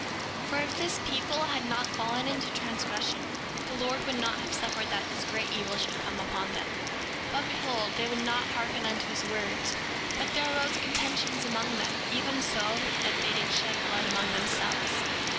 7:25 For if this people had not fallen into transgression the Lord would not have suffered that this great evil should come upon them. But behold, they would not hearken unto his words; but there arose contentions among them, even so much that they did shed blood among themselves.